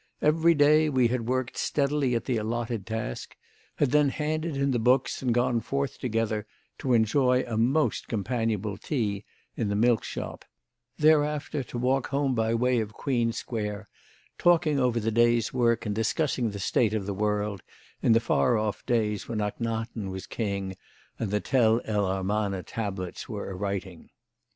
Every day we had worked steadily at the allotted task, had then handed in the books and gone forth together to enjoy a most companionable tea in the milk shop; thereafter to walk home by way of Queen Square, talking over the day's work and discussing the state of the world in the far off days when Ahkhenaten was king and the Tell el Amarna tablets were a writing.